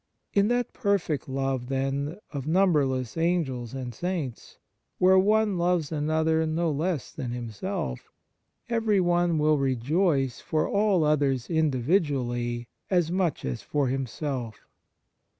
In that perfect love, then, of numberless Angels and Saints, where one loves another no less than himself, every one will rejoice for all others individually 82 ON THE SUBLIME UNION WITH GOD as much as for himself.